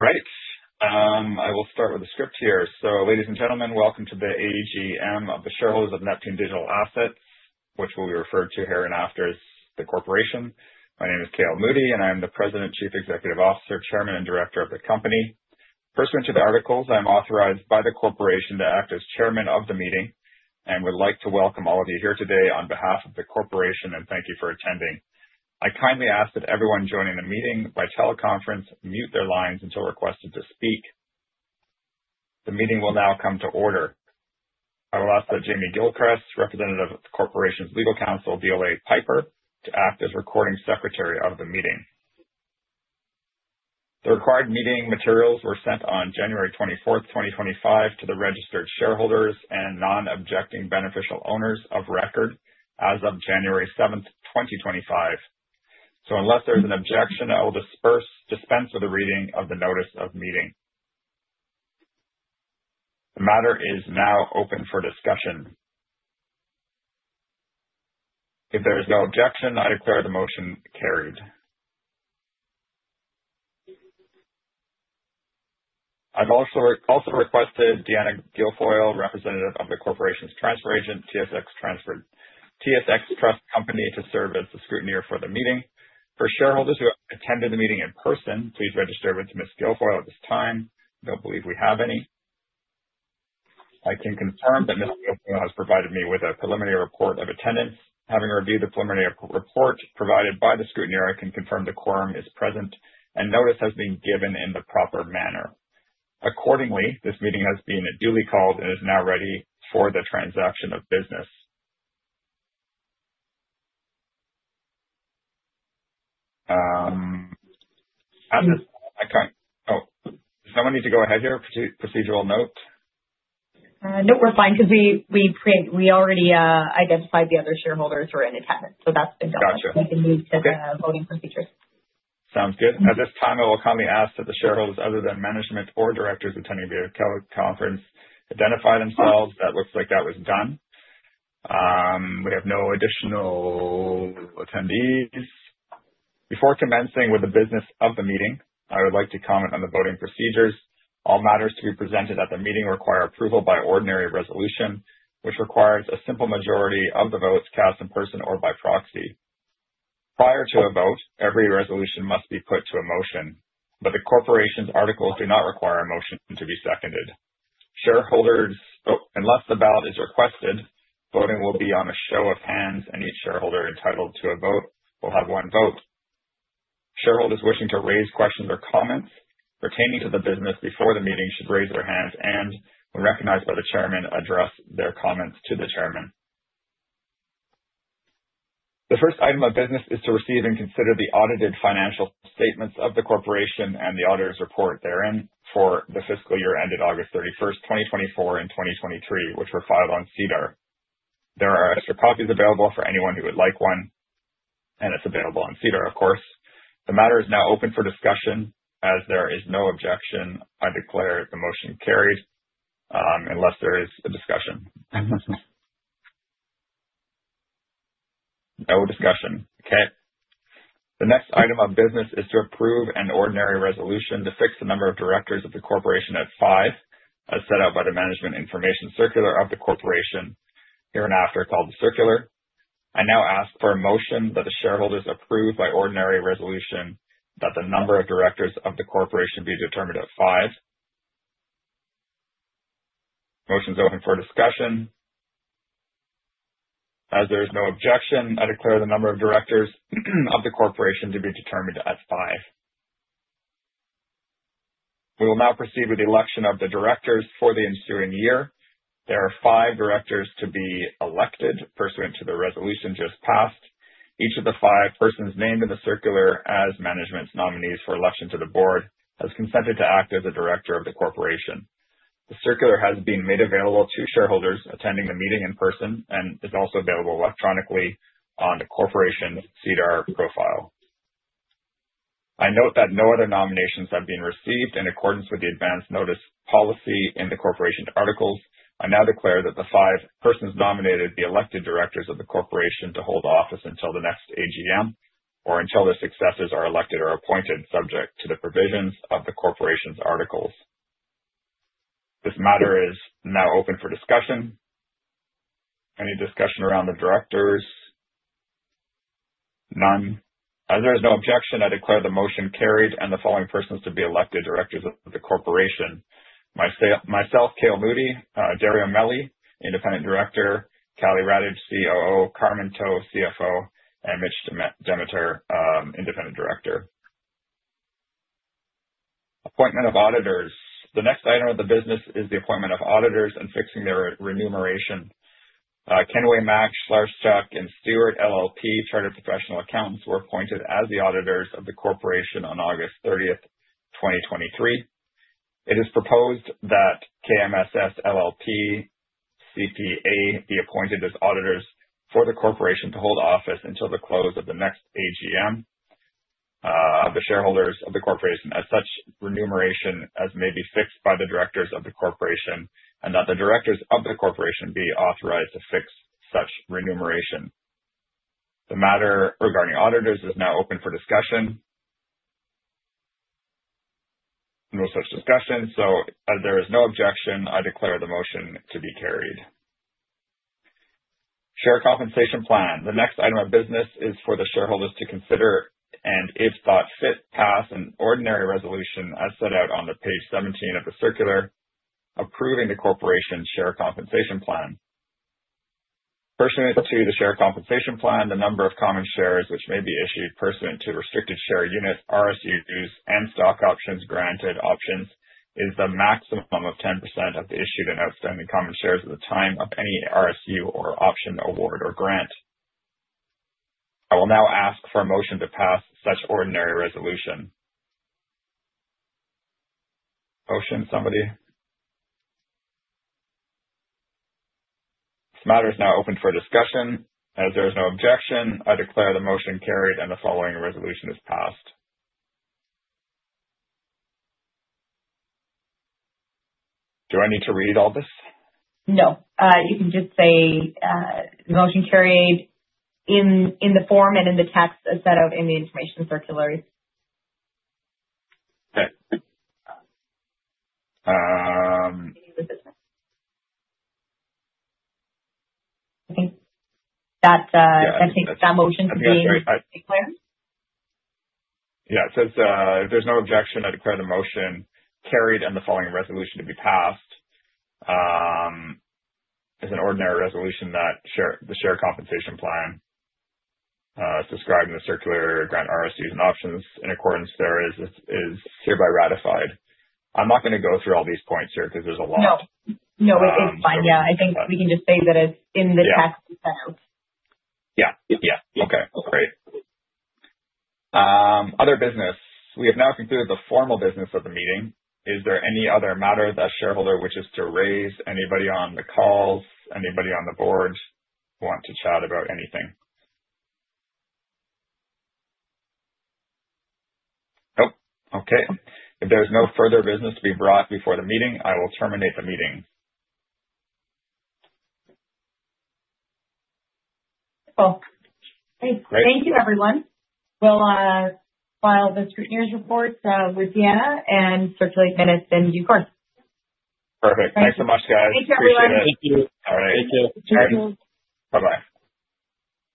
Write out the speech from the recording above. I will start with the script here. Ladies and gentlemen, welcome to the AGM of the shareholders of Neptune Digital Assets Corp., which will be referred to hereinafter as the corporation. My name is Cale Moodie, and I am the President, Chief Executive Officer, Chairman, and Director of the company. Pursuant to the articles, I am authorized by the corporation to act as Chairman of the meeting, and would like to welcome all of you here today on behalf of the corporation, and thank you for attending. I kindly ask that everyone joining the meeting by teleconference mute their lines until requested to speak. The meeting will now come to order. I will ask that Jamey Gilchrist, representative of the corporation's legal counsel, DLA Piper, to act as recording secretary of the meeting. The required meeting materials were sent on January 24, 2025 to the registered shareholders and non-objecting beneficial owners of record as of January 7, 2025. Unless there's an objection, I will dispense with the reading of the notice of meeting. The matter is now open for discussion. If there is no objection, I declare the motion carried. I've also requested Deanna Guilfoyle, representative of the corporation's transfer agent, TSX Trust Company, to serve as the scrutineer for the meeting. For shareholders who attended the meeting in person, please register with Ms. Guilfoyle at this time. I don't believe we have any. I can confirm that Ms. Guilfoyle has provided me with a preliminary report of attendance. Having reviewed the preliminary report provided by the scrutineer, I can confirm the quorum is present and notice has been given in the proper manner. Accordingly, this meeting has been duly called and is now ready for the transaction of business. Does someone need to go ahead here? Procedural note. No, we're fine because we already identified the other shareholders who are in attendance, so that's been done. Got you. We can move to the voting procedures. Sounds good. At this time, I will kindly ask that the shareholders, other than management or Directors attending via teleconference identify themselves. That looks like that was done. We have no additional attendees. Before commencing with the business of the meeting, I would like to comment on the voting procedures. All matters to be presented at the meeting require approval by ordinary resolution, which requires a simple majority of the votes cast in person or by proxy. Prior to a vote, every resolution must be put to a motion, but the corporation's articles do not require a motion to be seconded. Unless the ballot is requested, voting will be on a show of hands, and each shareholder entitled to a vote will have 1 vote. Shareholders wishing to raise questions or comments pertaining to the business before the meeting should raise their hands, and when recognized by the chairman, address their comments to the chairman. The first item of business is to receive and consider the audited financial statements of the corporation and the auditor's report therein for the fiscal year ended August 31st, 2024 and 2023, which were filed on SEDAR. There are extra copies available for anyone who would like one, and it's available on SEDAR, of course. The matter is now open for discussion. As there is no objection, I declare the motion carried, unless there is a discussion. No discussion. Okay. The next item of business is to approve an ordinary resolution to fix the number of Directors of the corporation at five, as set out by the management information circular of the corporation, hereinafter called the circular. I now ask for a motion that the shareholders approve by ordinary resolution that the number of Directors of the Corporation be determined at five. Motion's open for discussion. As there is no objection, I declare the number of directors of the corporation to be determined at five. We will now proceed with the election of the directors for the ensuing year. There are five Directors to be elected pursuant to the resolution just passed. Each of the five persons named in the circular as management's nominees for election to the board has consented to act as a director of the corporation. The circular has been made available to shareholders attending the meeting in person and is also available electronically on the corporation SEDAR profile. I note that no other nominations have been received in accordance with the advance notice policy in the corporation's articles. I now declare that the five persons nominated be elected directors of the corporation to hold office until the next AGM or until their successors are elected or appointed, subject to the provisions of the corporation's articles. This matter is now open for discussion. Any discussion around the Directors? None. As there is no objection, I declare the motion carried and the following persons to be elected directors of the corporation. Myself, Cale Moodie, Dario Meli, Independent Director, Kalle Radage, COO, Carmen To, CFO, and Mitchell Demeter, Independent Director. Appointment of auditors. The next item of the business is the appointment of auditors and fixing their remuneration. Kenway Mack Slusarchuk Stewart LLP, chartered professional accountants, were appointed as the auditors of the corporation on August 30, 2023. It is proposed that KMSS LLP CPA be appointed as auditors for the corporation to hold office until the close of the next AGM of the shareholders of the corporation as such remuneration as may be fixed by the directors of the corporation, and that the directors of the corporation be authorized to fix such remuneration. The matter regarding auditors is now open for discussion. No such discussion, so as there is no objection, I declare the motion to be carried. Share compensation plan. The next item of business is for the shareholders to consider, and if thought fit, pass an ordinary resolution as set out on the page 17 of the circular, approving the corporation's share compensation plan. Pursuant to the share compensation plan, the number of common shares which may be issued pursuant to restricted share units, RSU issues, and stock options, granted options, is the maximum of 10% of the issued and outstanding common shares at the time of any RSU or option award or grant. I will now ask for a motion to pass such ordinary resolution. Motion, somebody. This matter is now open for discussion. As there is no objection, I declare the motion carried and the following resolution is passed. Do I need to read all this? No. You can just say, motion carried in the form and in the text as set out in the information circulars. Okay. I think that motion can be declared. Yeah. It says, if there's no objection, I declare the motion carried and the following resolution to be passed. As an ordinary resolution that the share compensation plan, as described in the circular grant RSUs and options in accordance thereof is hereby ratified. I'm not going to go through all these points here because there's a lot. No. It's fine. Yeah. I think we can just say that it's in the text set out. Yeah. Okay, great. Other business. We have now concluded the formal business of the meeting. Is there any other matter that a shareholder wishes to raise? Anybody on the call, anybody on the board want to chat about anything? Nope. Okay. If there's no further business to be brought before the meeting, I will terminate the meeting. Cool. Great. Thank you, everyone. We'll file the scrutineer's report with SEDAR and circulate minutes in due course. Perfect. Thanks so much, guys. Thanks, everyone. Thank you. All right. Thank you. Thank you. Bye-bye.